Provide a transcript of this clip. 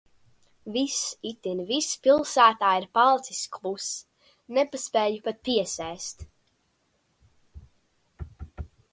Viss, itin viss pilsētā ir palicis kluss. Nepaspēju pat piesēst.